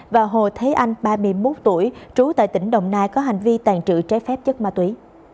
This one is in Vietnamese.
và hồ thế anh ba mươi một tuổi trú tại tỉnh đồng nai có hành vi tàn trự trái phép chất ma túy